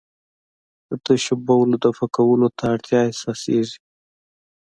د تشو بولو دفع کولو ته اړتیا احساسېږي.